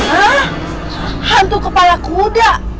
hah hantu kepala kuda